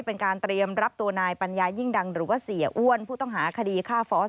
เป็นการเตรียมรับตัวนายปัญญายิ่งดังหรือว่าเสียอ้วนผู้ต้องหาคดีฆ่าฟอส